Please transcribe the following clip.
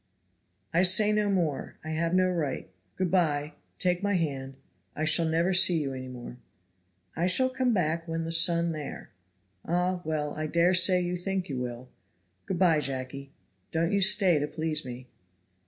"I say no more, I have no right goodby, take my hand, I shall never see you any more. "I shall come back when the sun there." "Ah! well I daresay you think you will. Good by, Jacky; don't you stay to please me."